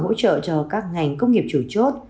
hỗ trợ cho các ngành công nghiệp chủ chốt